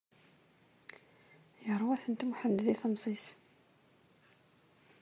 Yerwa-tent Muḥend di temẓi-s.